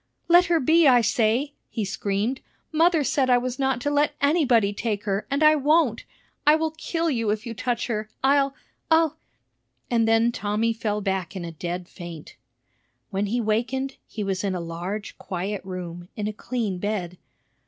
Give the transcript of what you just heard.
"Let her be, I say!" he screamed. "Mother said I was not to let anybody take her, and I won't! I will kill you if you touch her! I'll, I'll " and then Tommy fell back in a dead faint. When he wakened, he was in a large, quiet room, in a clean bed.